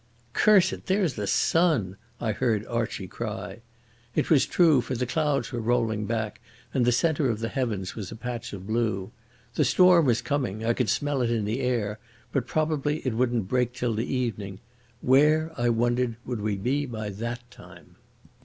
"Curse it, there's the sun," I heard Archie cry. It was true, for the clouds were rolling back and the centre of the heavens was a patch of blue. The storm was coming—I could smell it in the air—but probably it wouldn't break till the evening. Where, I wondered, would we be by that time?